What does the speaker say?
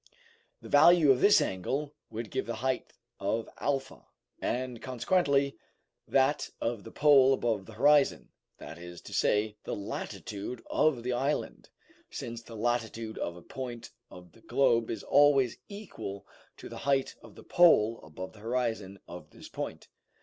The value of this angle would give the height of Alpha, and consequently that of the pole above the horizon, that is to say, the latitude of the island, since the latitude of a point of the globe is always equal to the height of the pole above the horizon of this point.